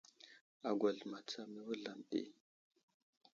Agwal matsam i wuzlam ɗi.